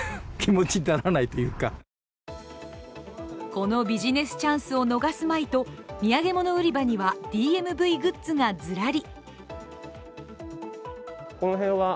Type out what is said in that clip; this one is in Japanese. このビジネスチャンスを逃すまいと、土産物売り場には、ＤＭＶグッズがずらり。